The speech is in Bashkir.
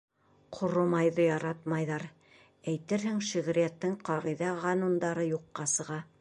Ҡоро майҙы яратмайҙар Әйтерһең, шиғриәттең ҡағиҙә-ҡанундары юҡҡа сыға.